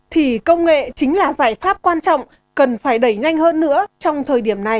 thì công nghệ chính là giải pháp quan trọng cần phải đẩy nhanh hơn nữa trong thời điểm này